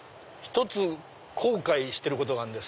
後悔してることがあるんです。